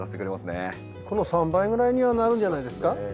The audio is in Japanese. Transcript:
この３倍ぐらいにはなるんじゃないですか。